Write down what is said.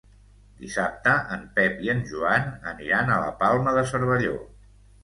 Dissabte en Pep i en Joan aniran a la Palma de Cervelló.